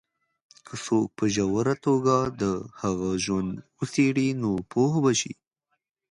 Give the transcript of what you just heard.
که څوک په ژوره توګه د هغه ژوند وڅېـړي، نو پوه به شي.